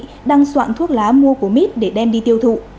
trần văn nhị đang soạn thuốc lá mua của mít để đem đi tiêu thụ